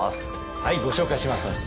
はいご紹介します。